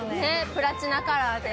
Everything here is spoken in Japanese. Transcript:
プラチナカラーで。